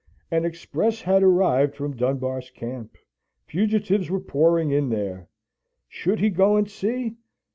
An express had arrived from Dunbar's camp. Fugitives were pouring in there. Should he go and see?